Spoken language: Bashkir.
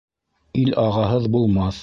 Ил ағаһыҙ булмаҫ.